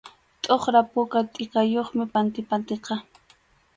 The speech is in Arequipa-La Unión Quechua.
Tʼuqra puka tʼikayuqmi pantipantiqa.